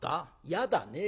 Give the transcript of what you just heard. やだね。